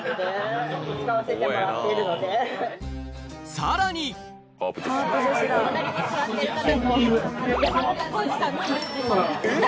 さらにえ！